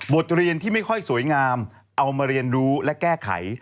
เรียนที่ไม่ค่อยสวยงามเอามาเรียนรู้และแก้ไข